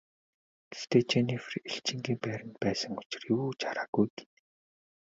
Гэхдээ Женнифер элчингийн байранд байсан учир юу ч хараагүй гэнэ.